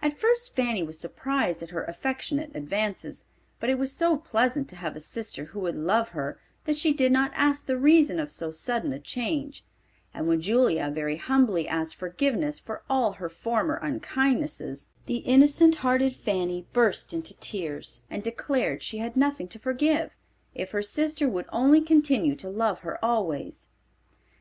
At first Fanny was surprised at her affectionate advances, but it was so pleasant to have a sister who would love her that she did not ask the reason of so sudden a change, and when Julia very humbly asked forgiveness for all her former unkindness, the innocent hearted Fanny burst into tears, and declared she had nothing to forgive, if her sister would only continue to love her always.